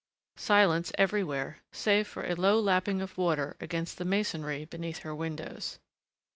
Silence everywhere save for a low lapping of water against the masonry beneath her windows.